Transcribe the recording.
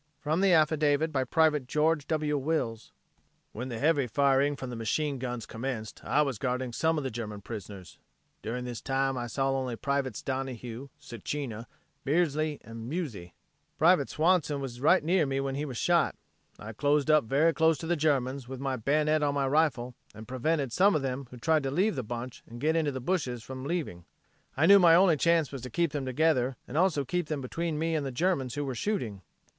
From the affidavit by Private George W. Wills: "When the heavy firing from the machine guns commenced, I was guarding some of the German prisoners. During this time I saw only Privates Donohue, Sacina, Beardsley and Muzzi. Private Swanson was right near me when he was shot. I closed up very close to the Germans with my bayonet on my rifle and prevented some of them who tried to leave the bunch and get into the bushes from leaving. I knew my only chance was to keep them together and also keep them between me and the Germans who were shooting.